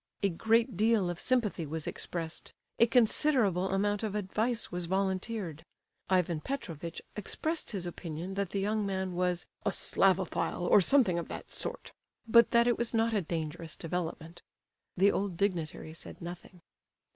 A great deal of sympathy was expressed; a considerable amount of advice was volunteered; Ivan Petrovitch expressed his opinion that the young man was "a Slavophile, or something of that sort"; but that it was not a dangerous development. The old dignitary said nothing.